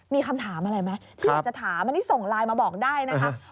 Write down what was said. มีคำถามอะไรไหมที่อยากจะถามอันนี้ส่งไลน์มาบอกได้นะคะ